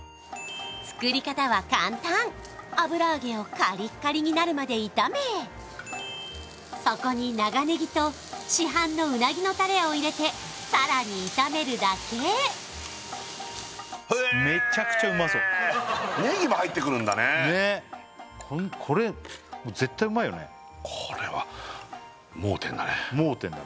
作り方は簡単油揚げをカリッカリになるまで炒めそこに長ネギと市販のうなぎのタレを入れてさらに炒めるだけへえねっこれは盲点だね